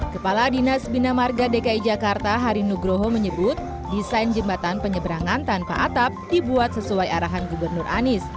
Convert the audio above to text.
kepala dinas bina marga dki jakarta hari nugroho menyebut desain jembatan penyeberangan tanpa atap dibuat sesuai arahan gubernur anies